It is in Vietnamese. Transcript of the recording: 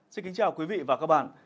xin kính chào quý vị và các bạn